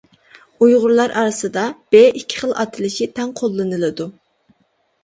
ئۇيغۇرلار ئارىسىدا ب ئىككى خىل ئاتىلىشى تەڭ قوللىنىلىدۇ.